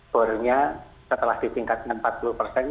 bornya setelah ditingkatkan empat puluh persen